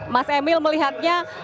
mas emil melihatnya